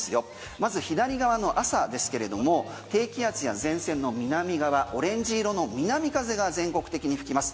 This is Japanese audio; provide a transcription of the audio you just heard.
まず左側の朝ですけれども低気圧や前線の南側オレンジ色の南風が全国的に吹きます。